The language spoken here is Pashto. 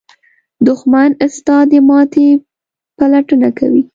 دښمن ستا د ماتې پلټنه کوي